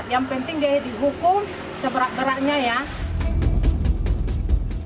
yang penting dia dihukum seberat beratnya ya